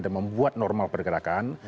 dan membuat normal pergerakan